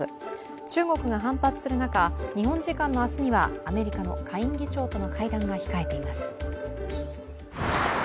中国が反発する中日本時間の明日にはアメリカの下院議長との会談が控えています。